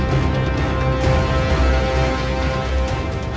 สวัสดีครับทุกคน